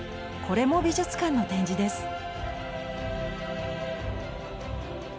これも美術館の展示です。